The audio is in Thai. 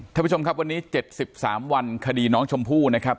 ท่านผู้ชมครับวันนี้๗๓วันคดีน้องชมพู่นะครับ